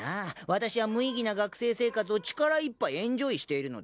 わたしは無意義な学生生活を力いっぱいエンジョイしているのです。